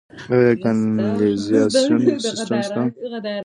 آیا کانالیزاسیون سیستم شته؟